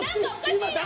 今誰？